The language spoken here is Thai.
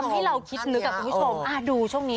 ให้เราคิดลึกคุณผู้ชมดูช่วงนี้